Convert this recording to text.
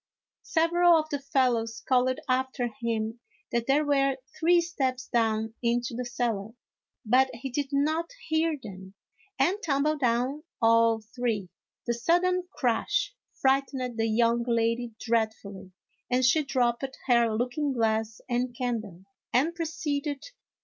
Several of the fellows called after him that there were three steps down into the cellar, but he did not hear them, and tumbled down all three ; the sudden crash frightened the young lady dreadfully, and she dropped her looking glass and candle, and proceeded 240 A HALLOWE'EN PARTY.